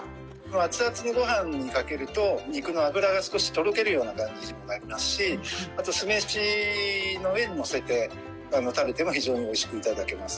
熱々のご飯にかけると肉の脂が少しとろけるような感じにもなりますしあと酢飯の上にのせて食べても非常においしく頂けます。